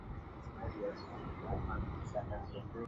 তার সঙ্গে আমি কিছু দুর্দান্ত সময় কাটাতে চাই এবং শিখতে চাই।